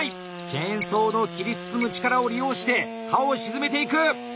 チェーンソーの切り進む力を利用して刃を沈めていく。